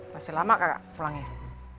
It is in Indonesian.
masih lama kakak pulangnya